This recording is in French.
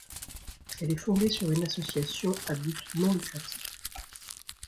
Elle est fondée sur une association à but non lucratif.